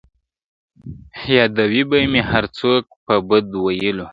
یادوي به مي هر څوک په بد ویلو!!